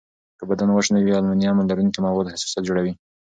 که بدن وچ نه وي، المونیم لرونکي مواد حساسیت جوړوي.